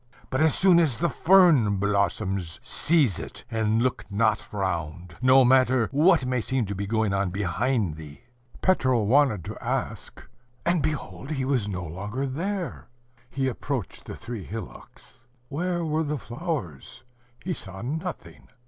But as soon as the fern blossoms, seize it, and look not round, no matter what may seem to be going on behind thee." Petro wanted to ask and behold he was no longer there. He approached the three hillocks where were the flowers? He saw nothing.